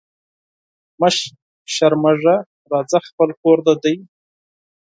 مه شرمېږه راځه خپل کور دي دی